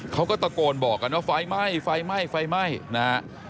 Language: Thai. เขาก็ตะโกนบอกกันว่าไฟไหม้นะ